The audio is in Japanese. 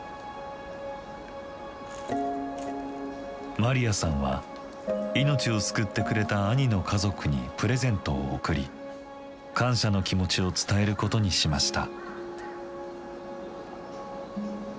マリアさんは命を救ってくれた兄の家族にプレゼントを贈り感謝の気持ちを伝えることにしました。